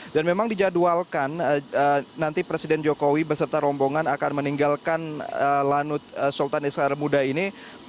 dan memang dijadwalkan nanti presiden jokowi beserta rombongan akan meninggalkan lanut sultan iskandar muda ini